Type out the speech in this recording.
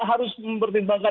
kita harus mempertimbangkan